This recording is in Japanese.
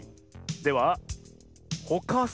では「ほかす」